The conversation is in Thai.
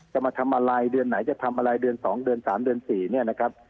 จะมาทำอะไรเดือนไหนจะทำอะไรเดือน๒เดือน๓เดือน๔เนี่ยนะครับ